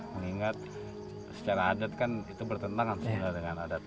mengingat secara adat kan itu bertentangan sebenarnya dengan adat